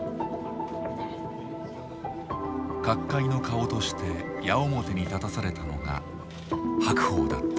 角界の顔として矢面に立たされたのが白鵬だった。